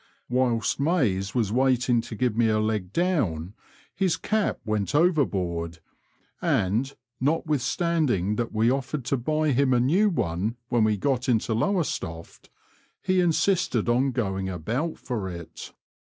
Whilst Mayes was waiting to give me a leg down his cap went overboard, and notwithstanding that we offered to buy him a new one when we got into Lowestoft, he insisted on going about for it.